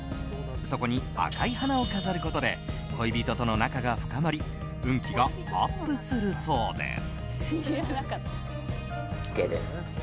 そこに赤い花を飾ることで恋人との仲が深まり運気がアップするそうです。